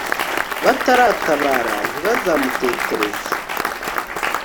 bataratabara ntibazamutetereze